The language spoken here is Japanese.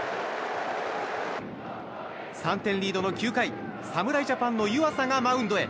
３点リードの９回、侍ジャパンの湯浅がマウンドへ。